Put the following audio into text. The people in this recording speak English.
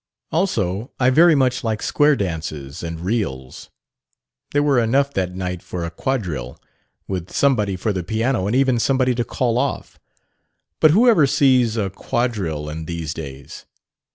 Also, I very much like square dances and reels. There were enough that night for a quadrille, with somebody for the piano and even somebody to 'call off,' but whoever sees a quadrille in these days?